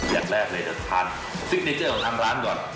อย่างแรกเลยจะทานซิกเนเจอร์ของทางร้านก่อน